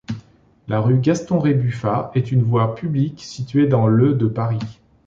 La rue Gaston-Rébuffat est une voie publique située dans le de Paris.